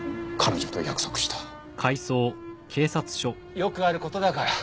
よくある事だから。